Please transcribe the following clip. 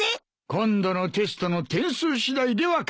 今度のテストの点数次第では考えよう。